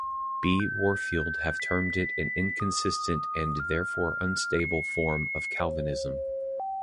B. Warfield have termed it an inconsistent and therefore unstable form of Calvinism.